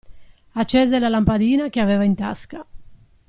Accese la lampadina che aveva in tasca.